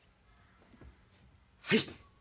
はい。